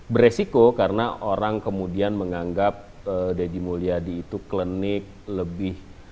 beresiko karena orang kemudian menganggap deddy mulyadi itu klinik lebih